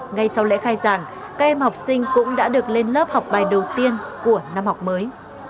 ngay sau lễ khai giảng các em học sinh cũng đã được lên lớp học bài đầu tiên của năm học mới